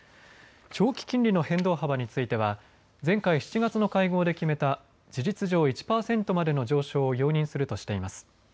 長期金利の変動幅については前回７月の会合で決めた事実上、１％までの上昇を容認するとしています。